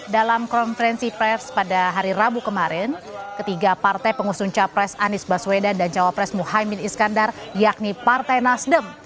dalam konferensi pers pada hari rabu kemarin ketiga partai pengusung capres anies baswedan dan cawapres muhaymin iskandar yakni partai nasdem